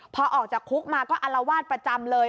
พอออกจากคุกมาก็อลวาดประจำเลย